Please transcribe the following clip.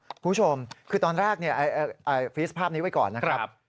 คุณผู้ชมคือตอนแรกฟีสภาพนี้ไว้ก่อนนะครับ